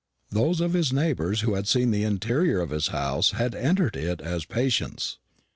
Those of his neighbours who had seen the interior of his house had entered it as patients.